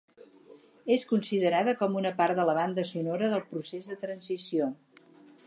És considerada com una part de la banda sonora del procés de transició.